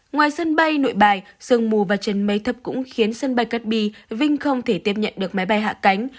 ngoài sân bay nội bài sương mù và trên máy thấp cũng khiến sân bay cát bi vinh không thể tiếp nhận được máy bay hạ cánh